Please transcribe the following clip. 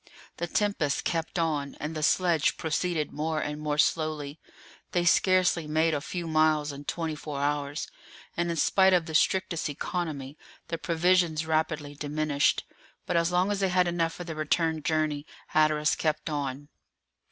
The tempest kept on, and the sledge proceeded more and more slowly; they scarcely made a few miles in twenty four hours, and in spite of the strictest economy, the provisions rapidly diminished; but as long as they had enough for the return journey, Hatteras kept on.